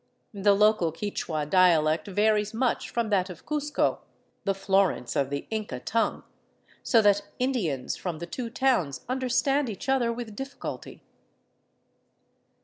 The local Quichua dialect varies much from that of Cuzco, the Florence of the Inca tongue, so that Indians from the two towns understand each other with difficulty.